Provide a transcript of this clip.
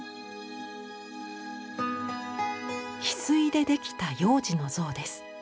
ヒスイでできた幼児の像です。